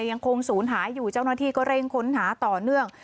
ยังคงศูนย์หายอยู่เจ้าหน้าที่ก็เร่งค้นหาต่อเนื่อง